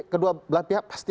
kedua pihak pasti